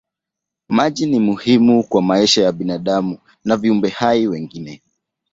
Maji ni muhimu kwa maisha ya binadamu na viumbe hai wengine.